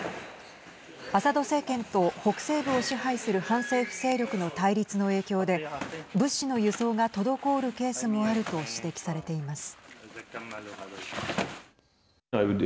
アサド政権と北西部を支配する反政府勢力の対立の影響で物資の輸送が滞るケースもあると指摘されています。